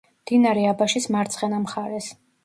მდინარე აბაშის მარცხენა მხარეს.